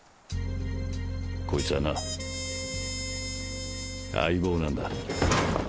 こいつはな相棒なんだ。